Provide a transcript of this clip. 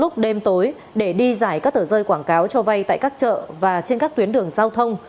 sở rơi quảng cáo cho vay tại các chợ và trên các tuyến đường giao thông